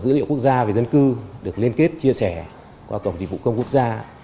khi cơ sở dữ liệu quốc gia về dân cư được liên kết chia sẻ qua cổng dịch vụ công quốc gia